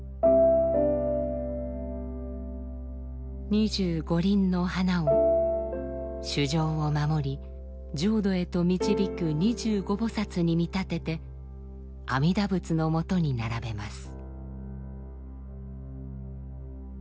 二十五輪の花を衆生を守り浄土へと導く二十五菩薩に見立てて阿弥陀仏のもとに並べます。